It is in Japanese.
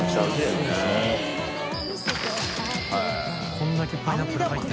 これだけパイナップル入って。